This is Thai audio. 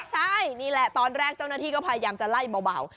ใช่นี่แหละตอนแรกเจ้าหน้าที่ก็พยายามจะไล่เบา